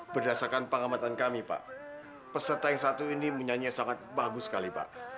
berdasarkan pengamatan kami pak peserta yang satu ini menyanyi sangat bagus sekali pak